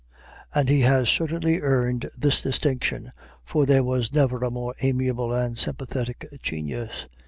And he has certainly earned this distinction, for there was never a more amiable and sympathetic genius.